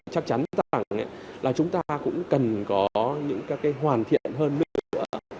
chắc chắn là chúng ta cũng cần có những hoàn thiện hơn nữa